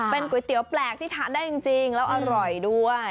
เป็นก๋วยเตี๋ยวแปลกที่ทานได้จริงแล้วอร่อยด้วย